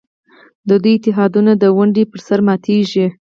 د دوی اتحادونه د ونډې پر سر ماتېږي.